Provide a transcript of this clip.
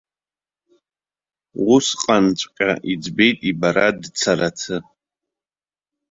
Усҟанҵәҟьа иӡбеит ибара дцарацы.